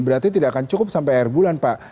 berarti tidak akan cukup sampai akhir bulan pak